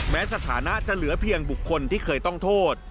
สถานะจะเหลือเพียงบุคคลที่เคยต้องโทษ